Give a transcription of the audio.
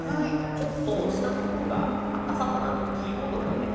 ちょっと下の方があかさたなとかキーボードが出てる。